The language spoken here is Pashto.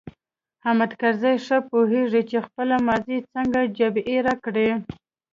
حامد کرزی ښه پوهیږي چې خپله ماضي څنګه جبیره کړي.